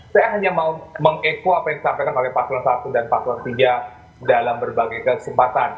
saya mau mengekua apa yang disampaikan oleh pasul satu dan pasul tiga dalam berbagai kesempatan